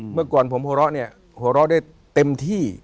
เมื่อก่อนผมหัวเราะเนี่ยหัวเราะได้เต็มที่